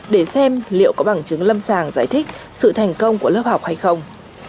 để xem liệu có bằng chứng lâm sàng giải thích sự thành công của lớp học hay không